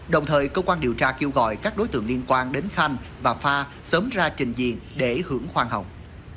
đồng thời cơ quan điều tra kêu gọi các đối tượng liên quan đến khanh và pha sớm ra trình diện để hưởng khoan hồng